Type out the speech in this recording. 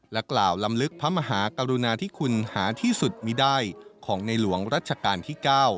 กล่าวลำลึกพระมหากรุณาที่คุณหาที่สุดมีได้ของในหลวงรัชกาลที่๙